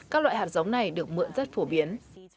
các loại hạt giống này được mượn rất phổ biến